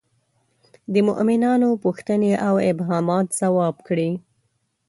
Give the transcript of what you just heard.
د مومنانو پوښتنې او ابهامات ځواب کړي.